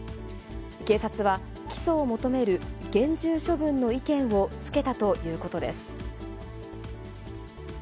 警察は、起訴を求める厳重処分の意見をつけたということです。